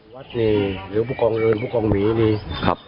วัชนีหรือปุกองเรือนปุกองหมีนี้ครับ